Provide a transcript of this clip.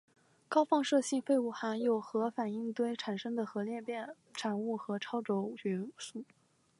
高放射性废物含有核反应堆产生的核裂变产物和超铀元素。